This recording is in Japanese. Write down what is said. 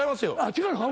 違うのか。